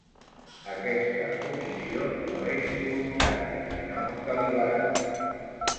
Aquesta omissió no és involuntària, sinó deliberada.